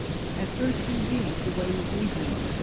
At first, indeed, the way was easy.